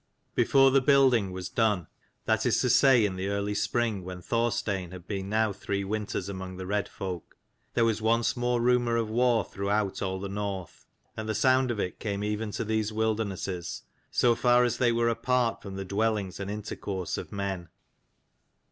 JEFORE the building was done CHAPTER that is to say in the early spring XX. OVER when Thorstein had been now THE FELLS, three winters among the red folk, there was once more (rumour of war throughout all the north, and the sound of it came even to these wildernesses, so far as they were apart from the dwellings and intercourse of men.